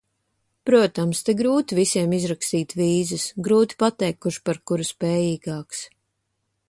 Protams, te grūti visiem izrakstīt vīzas, grūti pateikt, kurš par kuru spējīgāks.